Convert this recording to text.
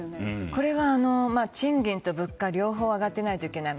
これは、賃金と物価両方上がっていないといけない。